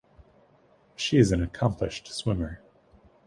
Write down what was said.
She is an accomplished swimmer.